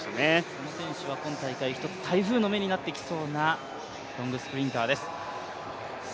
この選手は今大会一つ台風の目になってきそうなロングスプリンターです。